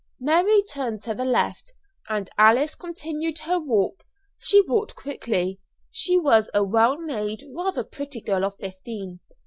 Mary turned to the left, and Alice continued her walk. She walked quickly. She was a well made, rather pretty girl of fifteen.